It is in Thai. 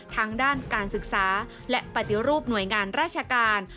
ทั้งด้านการศึกษาและปฏิรูปหน่วยงานราชการ